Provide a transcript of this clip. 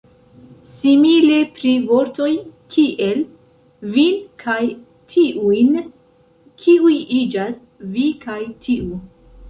Simile pri vortoj kiel "vin" kaj "tiujn", kiuj iĝas "vi" kaj "tiu".